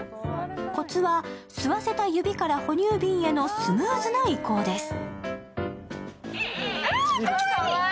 コツは吸わせた指から哺乳瓶へのスムーズな移行です。